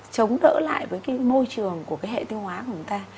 chống đỡ lại với cái môi trường của cái hệ tiêu hóa của chúng ta